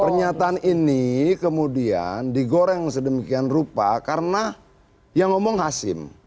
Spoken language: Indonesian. pernyataan ini kemudian digoreng sedemikian rupa karena yang ngomong hasim